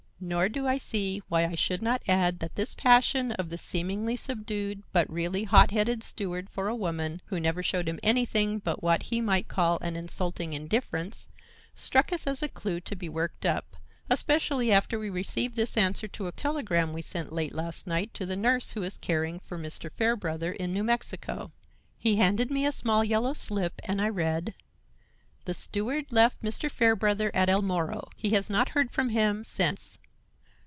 Nor do I see why I should not add that this passion of the seemingly subdued but really hot headed steward for a woman, who never showed him anything but what he might call an insulting indifference, struck us as a clue to be worked up, especially after we received this answer to a telegram we sent late last night to the nurse who is caring for Mr. Fairbrother in New Mexico." He handed me a small yellow slip and I read: "The steward left Mr. Fairbrother at El Moro. He has not heard from him since.